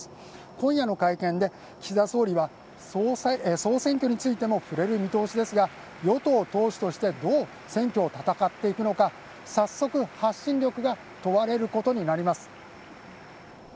今夜の会見で岸田総理は総選挙についても触れる見通しですが、与党党首としてどう選挙を戦っていくのか、早速、発信力が問われることになります。